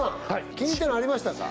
気に入ったのありましたか？